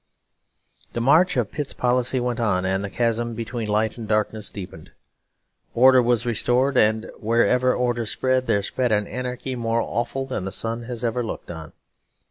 The march of Pitt's policy went on; and the chasm between light and darkness deepened. Order was restored; and wherever order spread, there spread an anarchy more awful than the sun has ever looked on.